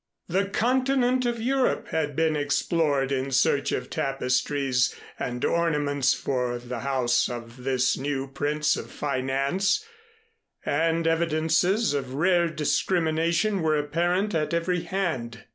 The continent of Europe had been explored in search of tapestries and ornaments for the house of this new prince of finance, and evidences of rare discrimination were apparent at every hand.